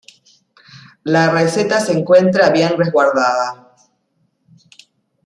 La receta se encuentra bien resguardada.